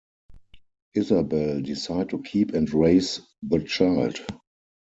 Isabel decide to keep and raise the child.